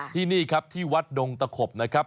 ที่นี่ครับที่วัดดงตะขบนะครับ